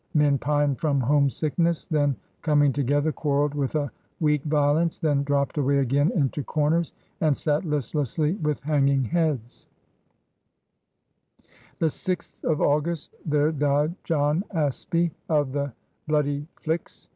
Men pined from homesickness, then, coming together, quarreled with a weak violence, then dropped away^ again into comers and sat listlessly with hanging heads. JAMESTOWN 87 The sixth of Auguat there died John Asbie of the bloodie Fli^^.